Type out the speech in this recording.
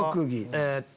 えっと。